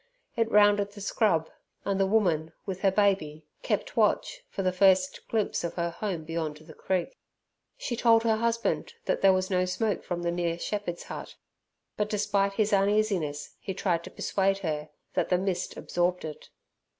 It rounded the scrub, and the woman, with her baby, kept watch for the first glimpse of her home beyond the creek. She told her husband that there was no smoke from the nearer shepherd's hut, but despite his uneasiness he tried to persuade her that the mist absorbed it.